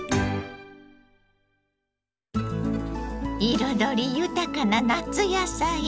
彩り豊かな夏野菜。